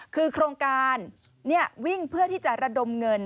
คือโครงการวิ่งเพื่อที่จะระดมเงิน